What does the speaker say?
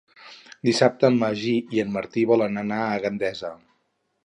Dissabte en Magí i en Martí volen anar a Gandesa.